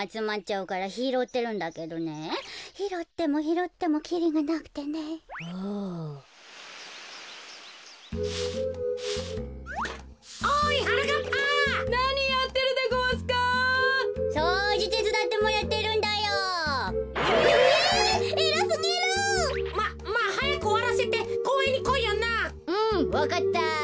うんわかった。